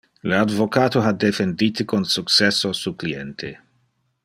Le advocato ha defendite con successo su cliente.